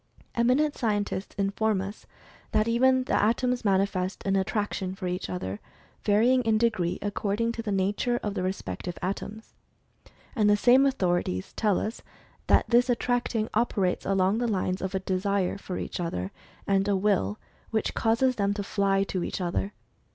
Eminent scientists inform us that even the atoms manifest an attraction for each other, varying in degree according to the nature of the re spective atoms. And the same authorities tell us that this attracting operates along the lines of a "desire" for each other, and a "will" which causes them to flv to each other.